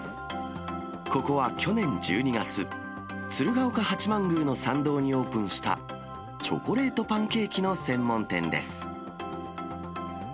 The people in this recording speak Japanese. ここは去年１２月、鶴岡八幡宮の参道にオープンしたチョコレートパンケーキの専門店です。